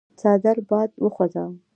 څادر باد وخوځاوه.